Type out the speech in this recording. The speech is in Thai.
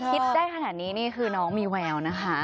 ได้ขนาดนี้นี่คือน้องมีแววนะคะ